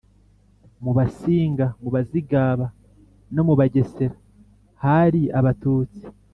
mu basinga, mu bazigaba no mu bagesera hari abatutsi.